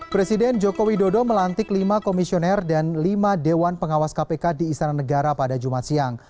presiden joko widodo melantik lima komisioner dan lima dewan pengawas kpk di istana negara pada jumat siang